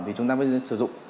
thì chúng ta mới sử dụng